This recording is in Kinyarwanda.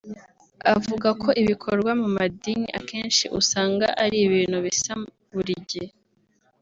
Avuga ko ibikorwa mu madini akenshi usanga ari ibintu bisa buri gihe